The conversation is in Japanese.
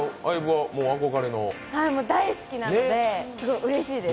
はい、大好きなのですごいうれしいです。